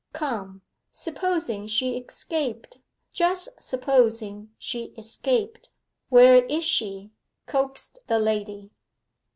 'Come, supposing she escaped just supposing she escaped where is she?' coaxed the lady.